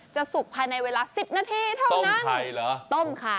จะสุกภายในเวลาสิบนาทีเท่านั้นต้มไข่เหรอต้มไข่